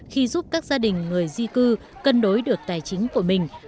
khi giúp các gia đình người di cư cân đối được tài chính của mình